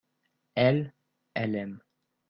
elle, elle aime.